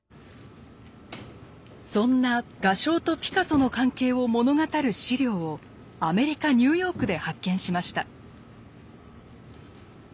そんな画商とピカソの関係を物語る資料をアメリカ・ニューヨークで発見しました。